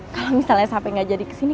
kalau misalnya sampai nggak jadi ke sini